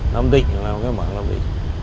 nam định phải làm cái mảng nam định